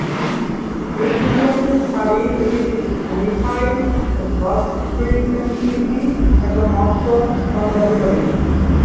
He previously studied with Mikhail Voskresensky at the Moscow Conservatory.